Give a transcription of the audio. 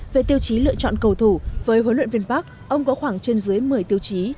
về tiêu chí lựa chọn cầu thủ với huấn luyện viên park ông có khoảng trên dưới một mươi tiêu chí